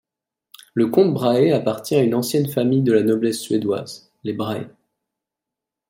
Le comte Brahe appartient à une ancienne famille de la noblesse suédoise, les Brahe.